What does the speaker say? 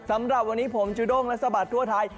สำหรับวันนี้ผมจูด้งและสะบัดทั่วไทย